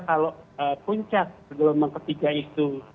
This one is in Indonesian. kalau puncak gelombang ketiga itu